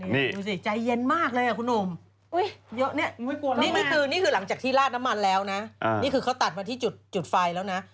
นี่คือหลังจากที่ลาดน้ำมันแล้วนะนี่คือเขาตัดมาที่จุดจุดไฟแล้วนะ